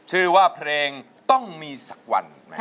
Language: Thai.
ชื่อว่าเพลงต้องมีสักวัน